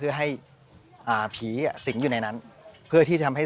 ชื่องนี้ชื่องนี้ชื่องนี้ชื่องนี้ชื่องนี้ชื่องนี้